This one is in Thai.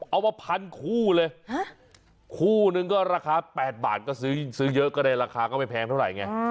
เอามาพันคู่เลยคู่นึงก็ราคา๘บาทก็ซื้อเยอะก็ได้ราคาก็ไม่แพงเท่าไหร่ไง